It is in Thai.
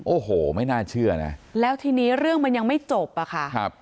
โอ้โหไม่น่าเชื่อนะแล้วทีนี้เรื่องมันยังไม่จบอ่ะค่ะครับ